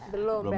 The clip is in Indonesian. belum berarti ya